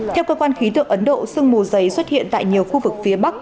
theo cơ quan khí tượng ấn độ sương mù dày xuất hiện tại nhiều khu vực phía bắc